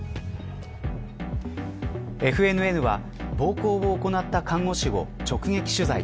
ＦＮＮは暴行を行った看護師を直撃取材。